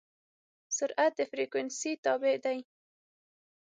سرعت د فریکونسي تابع دی.